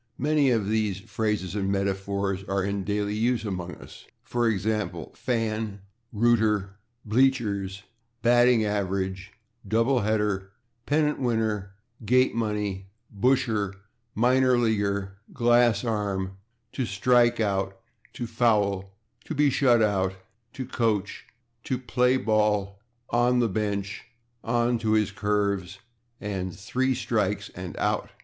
Many of these phrases and metaphors are in daily use among us, for example, /fan/, /rooter/, /bleachers/, /batting average/, /double header/, /pennant winner/, /gate money/, /busher/, /minor leaguer/, /glass arm/, /to strike out/, /to foul/, /to be shut out/, /to coach/, /to play ball/, /on the bench/, /on to his curves/ and /three strikes and out